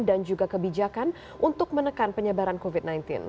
dan juga kebijakan untuk menekan penyebaran covid sembilan belas